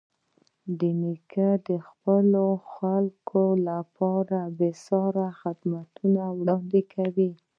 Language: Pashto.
نیکه د خپلو خلکو لپاره بېساري خدمتونه وړاندې کوي.